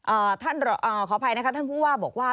ท่านเอ่อขออภัยนะคะท่านผู้ว่าบอกว่า